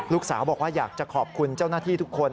ลูกสาวบอกว่าอยากจะขอบคุณเจ้าหน้าที่ทุกคน